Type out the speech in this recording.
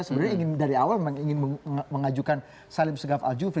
sebenarnya ingin dari awal memang ingin mengajukan salim segaf al jufri